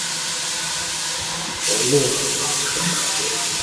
弗洛拉克三河。